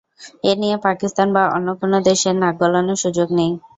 এ নিয়ে পাকিস্তান বা অন্য কোনো দেশের নাক গলানোর সুযোগ নেই।